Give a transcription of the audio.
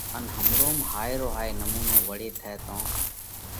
ان همروم هائي رو هائي نمُونو وۯي ٿئہ تو